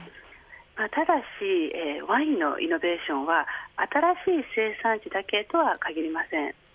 ただしワインのイノベーションは新しい生産地だけとは限りません。